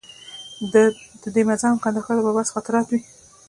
د ده مزنګ او کندهار د محبس خاطرات وې.